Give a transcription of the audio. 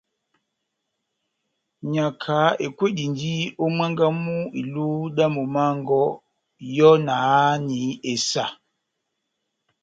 Nyaka ikwedindini ó mwángá mú iluhu dá momó wɔngɔ, nyɔ na háhani esa.